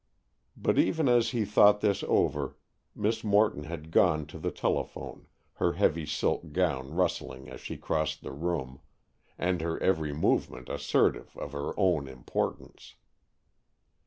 But even as he thought this over, Miss Morton had gone to the telephone, her heavy silk gown rustling as she crossed the room, and her every movement assertive of her own importance.